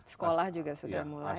sekolah juga sudah mulai